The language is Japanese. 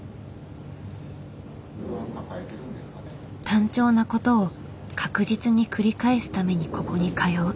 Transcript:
単調なことを確実に繰り返すためにここに通う。